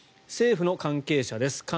政府の関係者です。